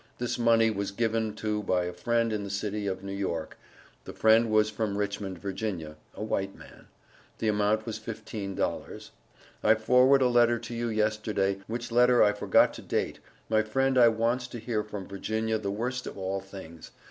this money was given to by a friend in the city N. york, the friend was from Richmond Virginia (a white man) the amount was fifteen dollars, I forward a letter to you yesterday which letter I forgot to date. my friend I wants to hear from virginia the worst of all things.